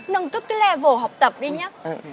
nông cấp cái level học tập đi nhá